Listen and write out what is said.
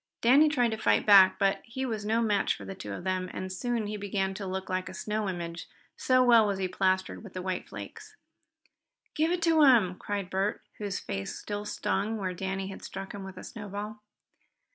Danny tried to fight back, but he was no match for the two of them, and soon he began to look like a snow image, so well was he plastered with white flakes. "Give it to him!" cried Bert, whose face still stung where Danny had struck him with a snowball.